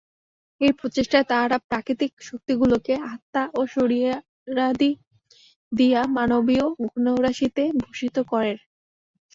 এই প্রচেষ্টায় তাহারা প্রাকৃতিক শক্তিগুলিকে আত্মা ও শরীরাদি দিয়া মানবীয় গুণরাশিতে ভূষিত করে।